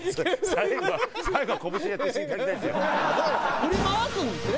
振り回すんですね。